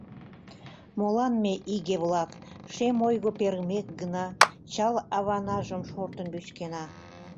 Молан ме, иге-влак, Шем ойго перымек гына Чал аванажым шортын Вӱчкена?